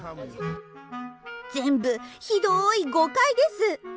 全部ひどい誤解です。